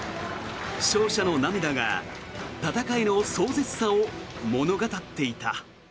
勝者の涙が戦いの壮絶さを物語っていた。